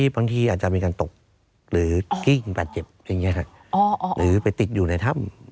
บางทีอาจจะมีการตกหรือกิ้งแบบเจ็บหรือไปติดอยู่ในถ้ำ